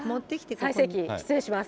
最盛期、失礼します。